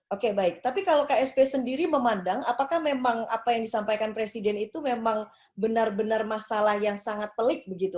oke baik tapi kalau ksp sendiri memandang apakah memang apa yang disampaikan presiden itu memang benar benar masalah yang sangat pelik begitu